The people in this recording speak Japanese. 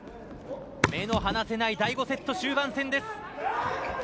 目の離せない第５セット終盤戦です。